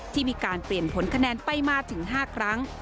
ที่มีการเปลี่ยนผลคะแนนไปมาถึง๕ครั้ง